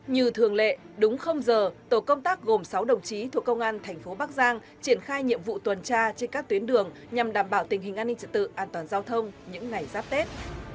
như thường lệ đúng giờ tổ công tác gồm sáu đồng chí thuộc công an thành phố bắc giang triển khai nhiệm vụ tuần tra trên các tuyến đường nhằm đảm bảo tình hình an ninh trật tự an toàn giao thông những ngày giáp tết